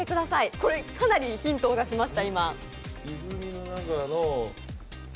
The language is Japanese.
これかなりのヒント出しました。